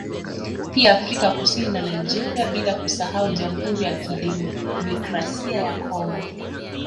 Pia Afrika Kusini na Nigeria bila kusahau Jamhuri ya Kidemikrasia ya Congo